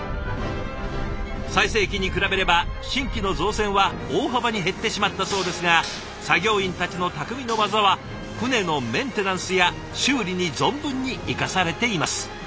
最盛期に比べれば新規の造船は大幅に減ってしまったそうですが作業員たちの匠の技は船のメンテナンスや修理に存分に生かされています。